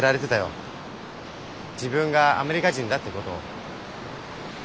自分がアメリカ人だってことを。